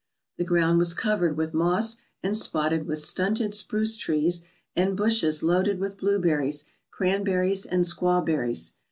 The ground was covered with moss and spotted with stunted spruce trees and bushes loaded with blueberries, cranberries, and squawberries.